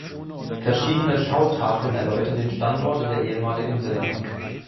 Verschiedene Schautafeln erläutern den Standort in der ehemaligen Villa.